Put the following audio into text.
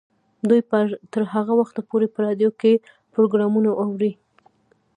دوی به تر هغه وخته پورې په راډیو کې پروګرامونه اوري.